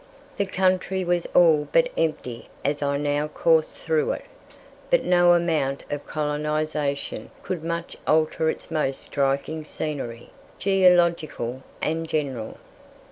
The country was all but empty as I now coursed through it, but no amount of colonization could much alter its most striking scenery, geological and general.